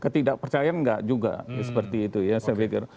ketidakpercayaan enggak juga seperti itu ya saya pikir